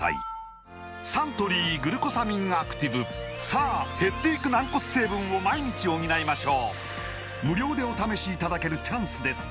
サントリー「グルコサミンアクティブ」さあ減っていく軟骨成分を毎日補いましょう無料でお試しいただけるチャンスです